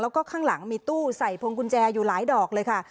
แล้วก็ข้างหลังมีตู้ใส่พงกุญแจอยู่หลายดอกเลยค่ะ